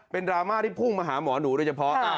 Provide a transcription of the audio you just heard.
เป็นดราม่าที่พุ่งมาหาหมอหนูโดยเฉพาะ